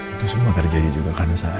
itu semua kerjanya juga karena saya